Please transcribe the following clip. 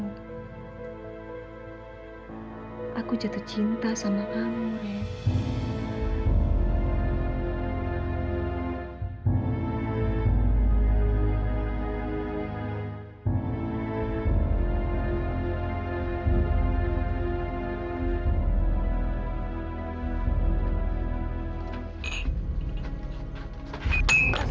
hai aku jatuh cinta sama kamu